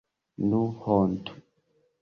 Nu, hontu!